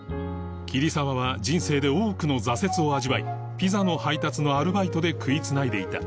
桐沢は人生で多くの挫折を味わいピザの配達のアルバイトで食いつないでいた